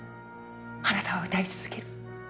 あなたは歌い続ける。